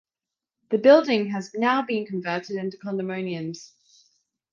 The building has now been converted into condominiums.